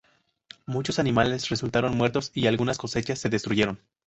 Muchos animales resultaron muertos, y algunas cosechas se destruyeron.